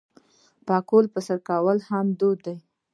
د پکول په سر کول هم دود دی.